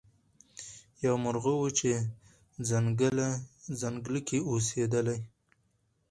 یو مرغه وو په ځنګله کي اوسېدلی